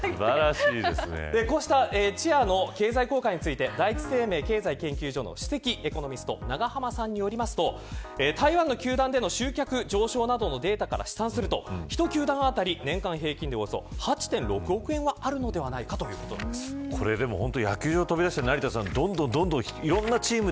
こうしたチアの経済効果について第一生命経済研究所の首席エコノミスト永濱さんによりますと台湾の球団での集客状況などのデータから試算すると一球団当たり、年間平均でおよそ８．６億円はあるのではないか野球場を飛び出して成田さん